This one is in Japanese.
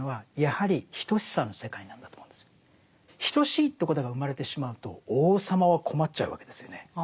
等しいということが生まれてしまうと王様は困っちゃうわけですよね。